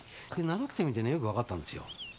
習ってみてねよくわかったんですよ。